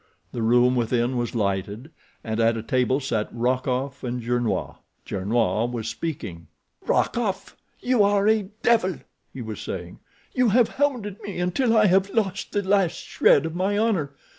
The room within was lighted, and at a table sat Rokoff and Gernois. Gernois was speaking. "Rokoff, you are a devil!" he was saying. "You have hounded me until I have lost the last shred of my honor.